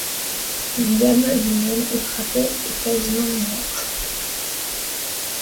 Liam lui-même est frappé et quasiment mourant.